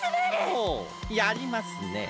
ほうやりますね。